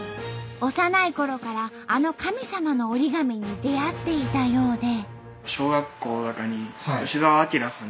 幼いころからあの神様の折り紙に出会っていたようで。